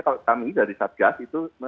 kalau kami dari satgas itu